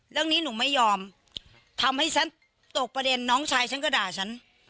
เรื่องนี้หนูไม่ยอมทำให้ฉันตกประเด็นน้องชายฉันก็ด่าฉัน